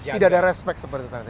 tidak ada respect seperti tadi